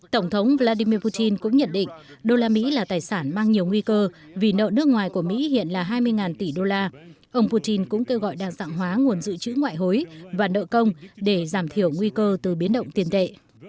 tổng thống vladimir putin cũng nhận định đô la mỹ là tài sản mang nhiều nguy cơ vì nợ nước ngoài của mỹ hiện là hai mươi tỷ đô la ông putin cũng kêu gọi đa dạng hóa nguồn dự trữ ngoại hối và nợ công để giảm thiểu nguy cơ từ biến động tiền tệ